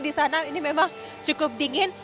di sana ini memang cukup dingin